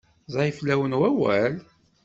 Ẓẓay fell-awen wawal?